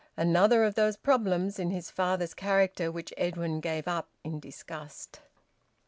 Another of those problems in his father's character which Edwin gave up in disgust!